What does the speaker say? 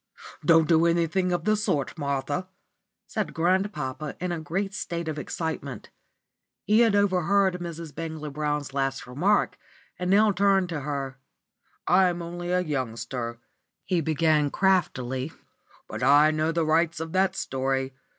"Don't do anything of the sort, Martha," said grandpapa, in a great state of excitement. He had overheard Mrs. Bangley Brown's last remark, and now turned to her. "I'm only a youngster," he began craftily, "but I know the rights of that story.